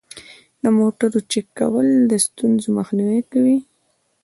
د موټرو چک کول د ستونزو مخنیوی کوي.